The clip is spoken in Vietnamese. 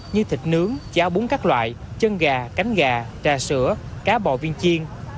như thịt nướng cháo bún các loại chân gà cánh gà trà sữa cá bò viên chiên